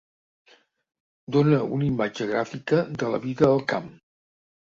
Dona una imatge gràfica de la vida al camp.